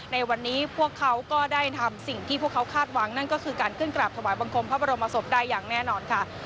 ในวันนี้พวกเขาก็ได้ทำสิ่งที่พวกเขาคาดหวังนั่นก็คือการขึ้นกราบถวายบังคมพระบรมศพได้อย่างแน่นอนค่ะ